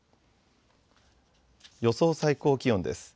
予想最高気温です。